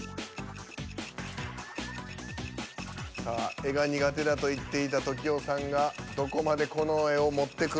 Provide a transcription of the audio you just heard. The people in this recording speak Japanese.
さあ絵が苦手だと言っていた時生さんがどこまでこの絵を持ってくるのか。